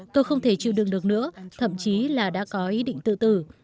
tôi không thể chịu đựng được nữa thậm chí là đã có ý định tự tử